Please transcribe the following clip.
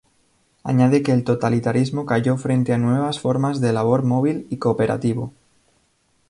Añade que el totalitarismo cayó frente a nuevas formas de labor móvil y cooperativo.